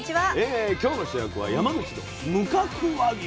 今日の主役は「山口の無角和牛」と。